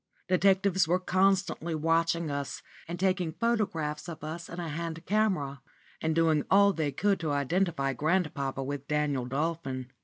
Detectives were constantly watching us and taking photographs of us in a hand camera, and doing all they could to identify grandpapa with Daniel Dolphin.